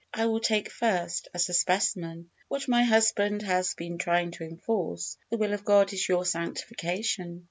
I will take first, as a specimen, what my husband has been trying to enforce "The will of God is your sanctification."